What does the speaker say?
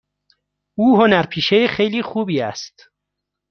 او هنرپیشه خیلی خوبی است.